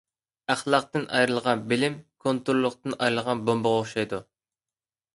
ئەخلاقتىن ئايرىلغان بىلىم، كونتروللۇقىدىن ئايرىلغان بومبىغا ئوخشايدۇ.